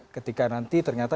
ketika nanti ternyata